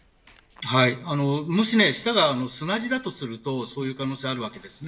もし、下が砂地ならそういう可能性があるわけです。